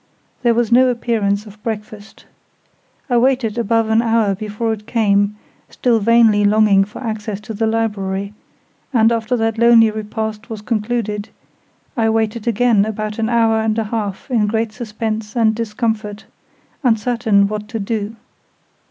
There was no appearance of breakfast. I waited above an hour before it came, still vainly longing for access to the library; and, after that lonely repast was concluded, I waited again about an hour and a half in great suspense and discomfort, uncertain what to do.